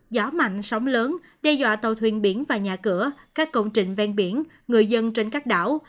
gió mạnh sóng lớn đe dọa tàu thuyền biển và nhà cửa các công trình ven biển người dân trên các đảo